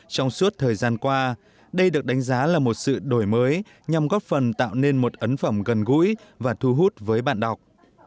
trong suốt thời gian qua đây được đánh giá là một sự đổi mới nhằm góp phần tạo nên một ấn phẩm gần gũi và thu hút với bạn đọc